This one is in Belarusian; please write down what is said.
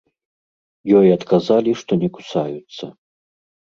Ёй адказалі, што не кусаюцца.